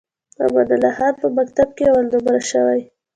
امان الله خان په مکتب کې اول نمره شوی.